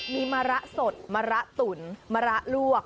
มีมะระสดมะระตุ๋นมะระลวก